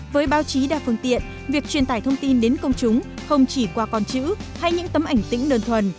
với báo chí đa phương tiện việc truyền tải thông tin đến công chúng không chỉ qua con chữ hay những tấm ảnh tĩnh đơn thuần